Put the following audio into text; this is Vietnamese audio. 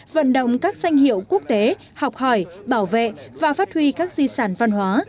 vận động các danh hiệu quốc tế học hỏi bảo vệ và phát huy các di sản văn hóa